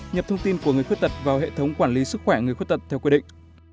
một nhập thông tin của người khuyết tật vào hệ thống quản lý sức khỏe người khuyết tật theo quy định